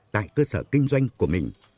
tại cơ sở kinh doanh của mình